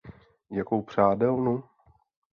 Jakou přádelnu?